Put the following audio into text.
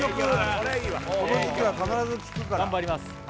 この時季は必ず聴くから頑張ります